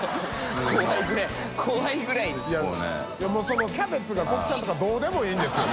そのキャベツが国産とかどうでもいいんですよ